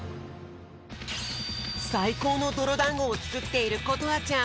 さいこうのどろだんごをつくっていることはちゃん。